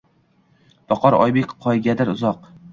Boqar Oybek qaygadir uzoq.